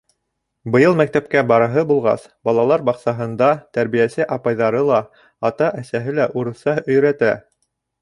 Быйыл мәктәпкә бараһы булғас, балалар баҡсаһында тәрбиәсе апайҙары ла, ата-әсәһе лә урыҫса өйрәтә.